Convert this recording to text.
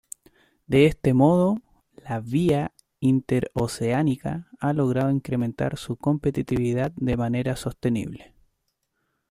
De este modo, la vía interoceánica ha logrado incrementar su competitividad de manera sostenible.